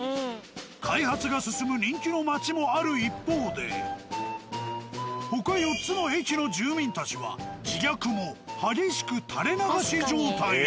開発が進む人気の町もある一方で他４つの駅の住民たちは自虐も激しく垂れ流し状態に。